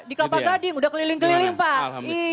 di kelapa gading udah keliling keliling pak